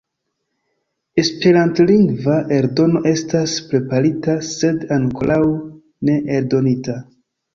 Esperantlingva eldono estas preparita, sed ankoraŭ ne eldonita.